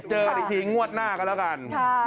เจอกันอีกทีงวดหน้าก็แล้วกัน